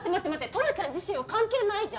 トラちゃん自身は関係ないじゃん！